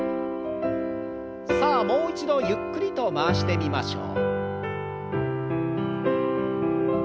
さあもう一度ゆっくりと回してみましょう。